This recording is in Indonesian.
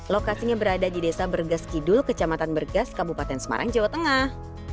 lokasinya berada di desa bergas kidul kecamatan bergas kabupaten semarang jawa tengah